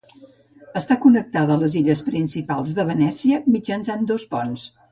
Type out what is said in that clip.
Està connectada a les illes principals de Venècia mitjançant dos ponts.